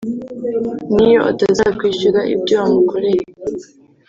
n’iyo atazakwishyura ibyo wamukoreye